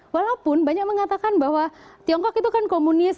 walaupun banyak mengatakan bahwa tiongkok itu kan komunis